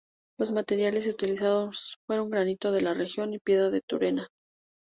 Los materiales utilizados fueron granito de la región y piedra de Turena.